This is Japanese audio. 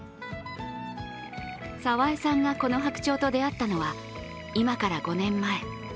澤江さんがこの白鳥と出会ったのは今から５年前。